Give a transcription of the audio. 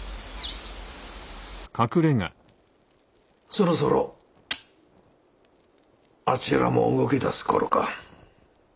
そろそろあちらも動き出す頃か。